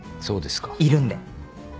いるんで。